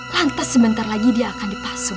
lantas sebentar lagi dia akan dipasung